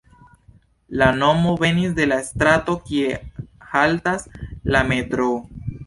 La nomo venis de la strato, kie haltas la metroo.